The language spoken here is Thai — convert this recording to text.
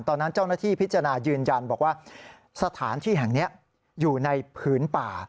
เจ้าหน้าที่พิจารณายืนยันบอกว่าสถานที่แห่งนี้อยู่ในผืนป่า